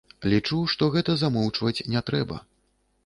Лічу, што гэта замоўчваць не трэба.